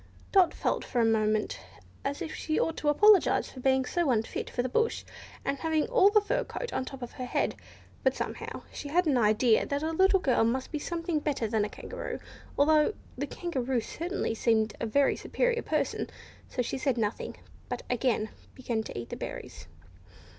Dot felt for a moment as if she ought to apologise for being so unfit for the bush, and for having all the fur on the top of her head. But, somehow, she had an idea that a little girl must be something better than a kangaroo, although the Kangaroo certainly seemed a very superior person; so she said nothing, but again began to eat the berries.